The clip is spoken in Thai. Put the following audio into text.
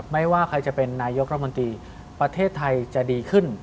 ไม่ว่าใครจะเป็นนายกรัฐมนตรีประเทศไทยจะดีขึ้น